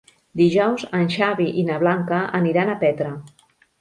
Dijous en Xavi i na Blanca aniran a Petra.